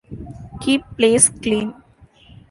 Keep place clean!